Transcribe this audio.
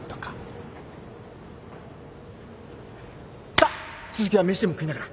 さあ続きは飯でも食いながら。